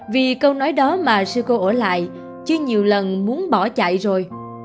vì câu nói đó mà sư cô ở lại chứ nhiều lần muốn bỏ chạy rồi